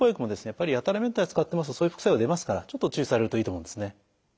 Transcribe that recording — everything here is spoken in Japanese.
やっぱりやたらめったら使ってますとそういう副作用が出ますからちょっと注意されるといいと思うんですね。